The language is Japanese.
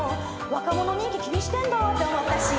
「若者人気気にしてんだって思ったし」